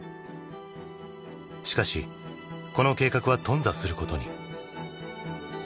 しかしこの計画は頓挫することに。